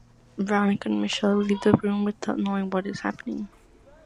Veronica and Micheal leaves the room without knowing what is happening.